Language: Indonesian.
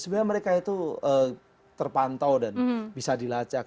sebenarnya mereka itu terpantau dan bisa dilacak